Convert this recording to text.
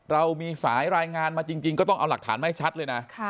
เรามีสายรายงานมาจริงก็ต้องเอาหลักฐานมาให้ชัดเลยนะ